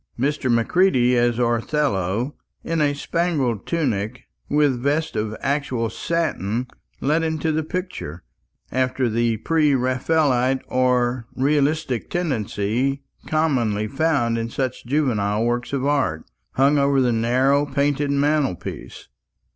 Mr. Macready as Othello, in a spangled tunic, with vest of actual satin let into the picture, after the pre Raphaelite or realistic tendency commonly found in such juvenile works of art, hung over the narrow painted mantelpiece.